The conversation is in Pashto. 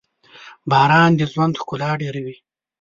• باران د ژوند ښکلا ډېروي.